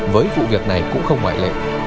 với vụ việc này cũng không ngoại lệ